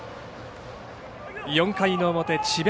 ４回の表、智弁